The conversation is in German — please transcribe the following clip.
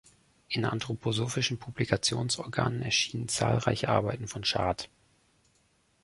In anthroposophischen Publikationsorganen erschienen zahlreiche Arbeiten von Schad.